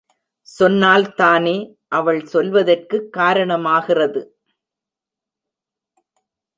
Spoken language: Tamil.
சொன்னால் தானே, அவள் சொல்வதற்குக் காரணமாகிறது?